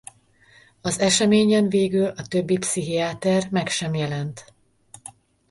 Az eseményen végül a többi pszichiáter meg sem jelent.